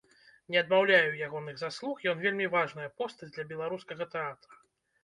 Не адмаўляю ягоных заслуг, ён вельмі важная постаць для беларускага тэатра.